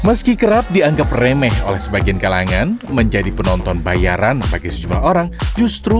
meski kerap dianggap remeh oleh sebagian kalangan menjadi penonton bayaran bagi sejumlah orang justru